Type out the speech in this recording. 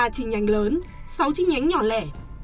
ba chi nhánh lớn sáu chi nhánh nhỏ lẻ